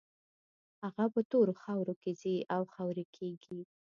هغه په تورو خاورو کې ځي او خاورې کېږي.